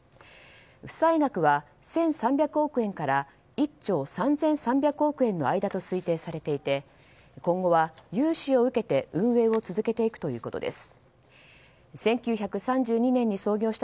負債額は１３００億円から１兆３３００億円の間と推定されていて今後は融資を受けて運営を続けていくということです。